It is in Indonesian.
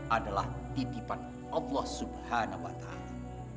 adalah titipan allah subhanahu wa ta'ala